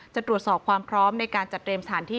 จะตรวจสอบความพร้อมในการจัดเตรียมสถานที่